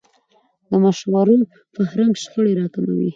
د مشورو فرهنګ شخړې راکموي